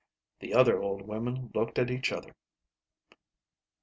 The other old women looked at each other.